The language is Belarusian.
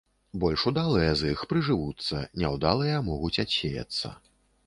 Больш удалыя з іх прыжывуцца, няўдалыя могуць адсеяцца.